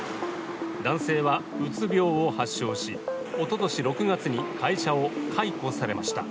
男性はうつ病を発症しおととし６月に会社を解雇されました。